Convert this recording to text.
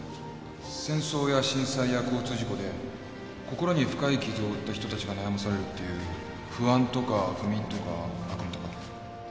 戦争や震災や交通事故で心に深い傷を負った人たちが悩まされるっていう不安とか不眠とか悪夢とか